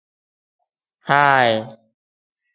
Nonetheless, his club were relegated at the end of the season.